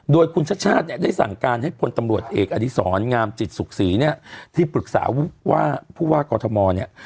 โดยคุณชาติชาติเนี่ยได้สั่งการให้พลตำรวจเอกอดิษรงามจิตสุขศรีเนี่ยที่ปรึกษาว่าผู้ว่ากอทมเนี่ย